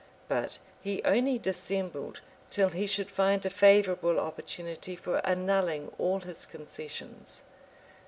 But he only dissembled till he should find a favorable opportunity for annulling all his concessions.